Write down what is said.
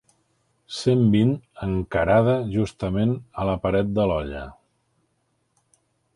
Cent vint encarada justament a la paret de l'olla.